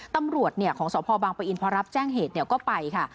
ตำรวจของสพบังปะอินพอรับแจ้งเหตุก็ไปค่ะ